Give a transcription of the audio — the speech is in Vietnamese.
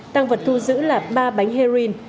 tăng vật thu giữ là ba bánh heroin